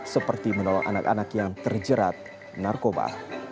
seperti menolong anak anak yang terjerat narkoba